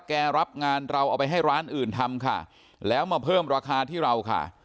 รับงานเราเอาไปให้ร้านอื่นทำค่ะแล้วมาเพิ่มราคาที่เราค่ะ